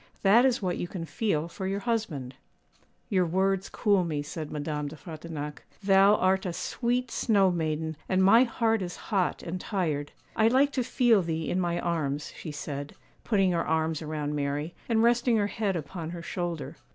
That is what you can feel for your husband.' 'Your words cool me,' said Madame de Frontignac. 'Thou art a sweet snow maiden, and my heart is hot and tired. I like to feel thee in my arms,' she said, putting her arms around Mary, and resting her head upon her shoulder.